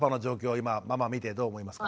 今ママ見てどう思いますか？